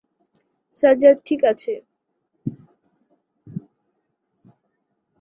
সাজ্জাদ ঠিক আছে।